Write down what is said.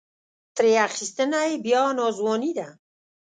ترې اخیستنه یې بیا ناځواني ده.